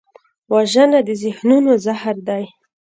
وژنه د ذهنونو زهر دی